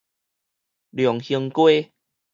龍興街